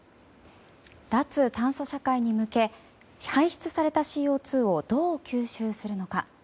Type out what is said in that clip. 脱炭素社会に向け排出されたＣＯ２をどう吸収するのか。